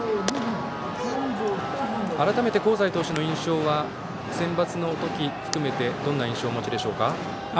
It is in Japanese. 改めて、香西投手の印象はセンバツの時を含めてどんな印象をお持ちでしょうか。